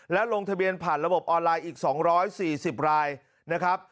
และลงทะเบียนผ่านระบบออนไลน์อีก๒๔๐รายนะครับ